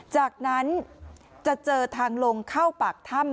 จากนั้นจะเจอทางลงเข้าปากถ้ำ